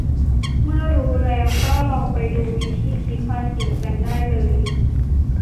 เมื่อรูัแล้วก็ลองไปดูวิธีคิดภาษีกันได้เลย